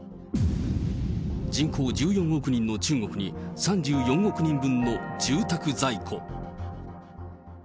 人口１４億人の中国に３４億人分の住宅在庫。